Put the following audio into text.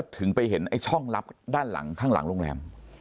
ถึงไปเห็นช่องลับข้างหลังโรงแรม